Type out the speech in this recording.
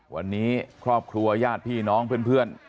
วันนี้ครอบครัวญาติพี่น้องเพื่อน